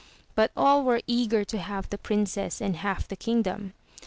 But all were eager to have the Princess and half the kingdom.